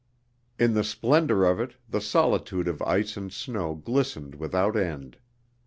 In the splendor of it the solitude of ice and snow glistened without end.